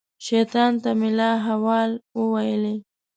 شیطان ته مې لا حول وویلې.